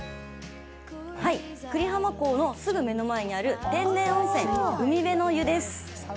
久里浜港のすぐ目の前にある天然温泉海辺の湯です。